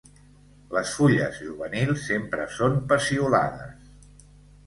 Les fulles juvenils sempre són peciolades.